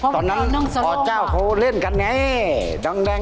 ตอนนั้นอเจ้าเขาเล่นกันไงแดง